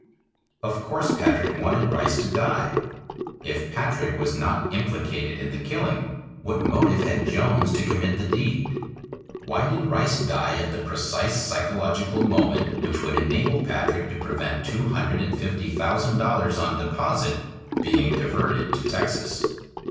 Of course Patrick wanted Rice to die. If Patrick was not implicated in the killing, what motive had Jones to commit the deed? Why did Rice die at the precise psychological moment which would enable Patrick to prevent two hundred and fifty thousand dollars on deposit being diverted to Texas?